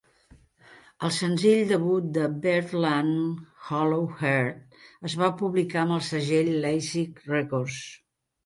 El senzill debut de Birdland, "Hollow Heart", es va publicar amb el segell Lazy Records.